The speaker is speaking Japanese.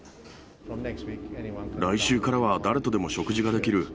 来週からは誰とでも食事ができる。